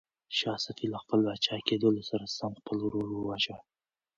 شاه صفي له خپل پاچا کېدلو سره سم خپل ورور وواژه.